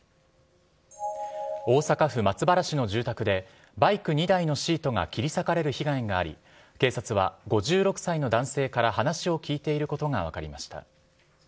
大阪府松原市の住宅で、バイク２台のシートが切り裂かれる被害があり、警察は５６歳の男性から話をきいていることが分かりました。